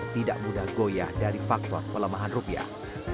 tidak mudah goyah dari faktor pelemahan rupiah